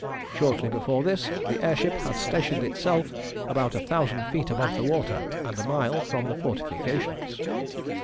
Shortly before this the air ship had stationed itself about a thousand feet above the water, and a mile from the fortifications.